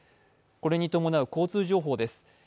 これに伴う交通情報です。